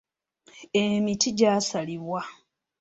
Emiti gy'asalibwa.